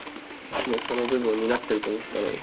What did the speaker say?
その部分を担ってると思ったのにさ